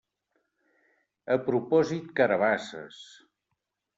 A propòsit carabasses.